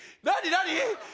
何？